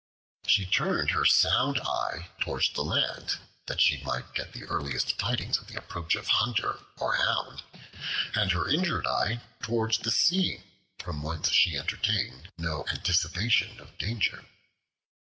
She turned her sound eye towards the land that she might get the earliest tidings of the approach of hunter or hound, and her injured eye towards the sea, from whence she entertained no anticipation of danger.